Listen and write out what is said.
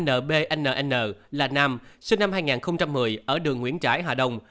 nbn là nam sinh năm hai nghìn một mươi ở đường nguyễn trãi hà đông